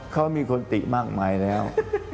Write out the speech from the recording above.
เขามีคนติมากมายแล้ว